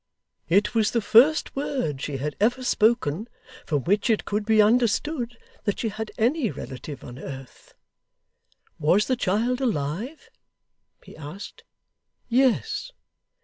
'It was the first word she had ever spoken, from which it could be understood that she had any relative on earth. "Was the child alive?" he asked. "Yes."